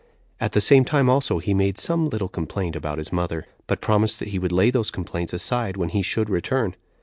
At the same time also he made some little complaint about his mother, but promised that he would lay those complaints aside when he should return.